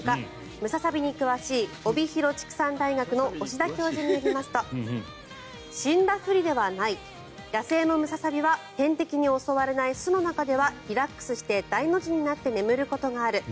ムササビに詳しい帯広畜産大学の押田教授によりますと死んだふりではない野生のムササビは天敵に襲われない巣の中ではリラックスして大の字になって眠ることがある